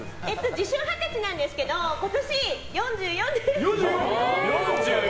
自称二十歳なんですけど今年４４です！